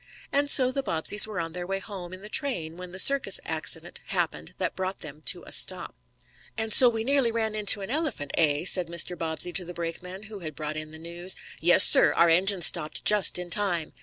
And so the Bobbseys were on their way home in the train when the circus accident happened that brought them to a stop. "And so we nearly ran into an elephant, eh?" said Mr. Bobbsey to the brakeman, who had brought in the news. "Yes, sir. Our engineer stopped just in time."